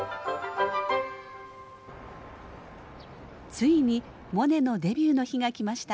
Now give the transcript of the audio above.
ついにモネのデビューの日が来ました。